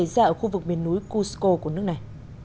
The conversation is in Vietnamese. xảy ra ở khu vực biển núi cusco của nước này